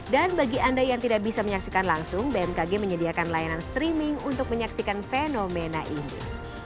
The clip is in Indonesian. dan bagi anda yang tidak bisa menyaksikan langsung bmkg menyediakan layanan streaming untuk menyaksikan fenomena ini